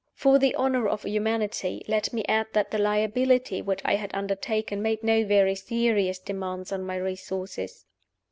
For the honor of humanity, let me add that the liability which I had undertaken made no very serious demands on my resources.